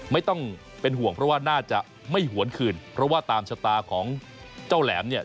ไม่ต้องเป็นห่วงเพราะว่าน่าจะไม่หวนคืนเพราะว่าตามชะตาของเจ้าแหลมเนี่ย